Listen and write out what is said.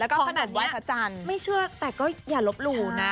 แล้วก็ถ้าแบบนี้ไม่เชื่อแต่ก็อย่าลบหลู่นะ